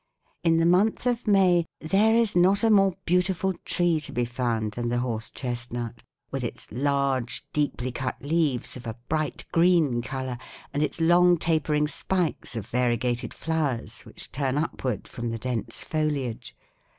In the month of May there is not a more beautiful tree to be found than the horse chestnut, with its large, deeply cut leaves of a bright green color and its long, tapering spikes of variegated flowers, which turn upward from the dense foliage.